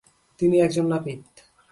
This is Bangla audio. তিনি একজন নাপিত।